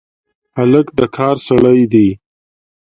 هلک د کار سړی دی.